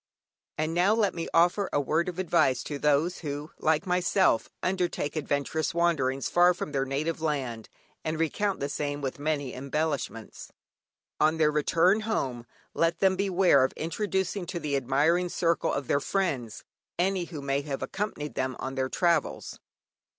And now let me offer a word of advice to those who, like myself, undertake adventurous wanderings far from their native land, and recount the same with many embellishments. On their return home, let them beware of introducing to the admiring circle of their friends, any who may have accompanied them on their travels.